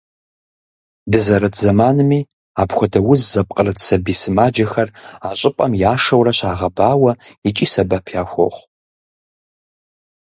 Дызэрыт зэманми, апхуэдэ уз зыпкърыт сабий сымаджэхэр а щӀыпӀэм яшэурэ щагъэбауэ икӀи сэбэп яхуохъу.